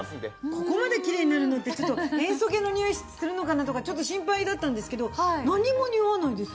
ここまできれいになるのって塩素系のにおいするのかなとかちょっと心配だったんですけど何もにおわないです。